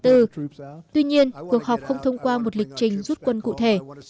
tuy nhiên cuộc họp không thông qua một lịch trình rút quân cụ thể